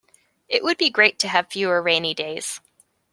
It would be great to have fewer rainy days.